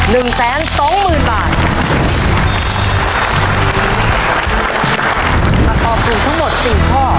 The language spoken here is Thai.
รับทุน๔ข้อ